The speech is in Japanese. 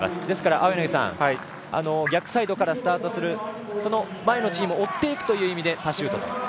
ですから、青柳さん。逆サイドからスタートする前のチームを追っていくという意味でパシュートと。